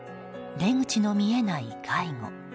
出口の見えない介護。